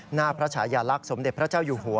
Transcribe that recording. หน้าพระชายาลักษณ์สมเด็จพระเจ้าอยู่หัว